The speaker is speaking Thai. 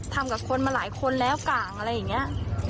ทำกับคนมาหลายคนแล้วกล่างอะไรอย่างนี้